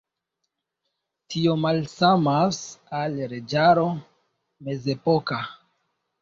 Tio malsamas al leĝaro mezepoka.